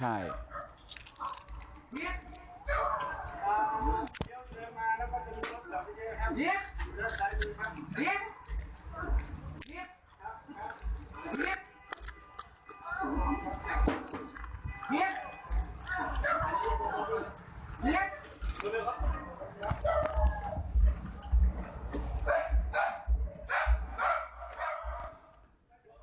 นี่คลิปคืน